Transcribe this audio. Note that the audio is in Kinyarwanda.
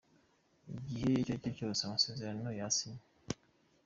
Igihe icyo aricyo cyose amasezerano yasinywa.